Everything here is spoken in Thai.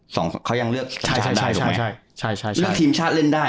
สองสองเขายังเลือกใช่ใช่ใช่ใช่ใช่ใช่ใช่ใช่เลือกทีมชาติเล่นได้